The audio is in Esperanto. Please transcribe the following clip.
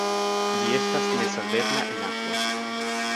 Ĝi estas nesolvebla en akvo.